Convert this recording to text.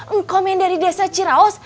engkau yang dari desa ciraos